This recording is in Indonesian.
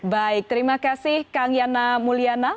baik terima kasih kang yana mulyana